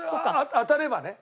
当たればね。